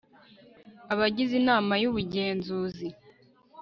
abagize inama y'ubugenzuzi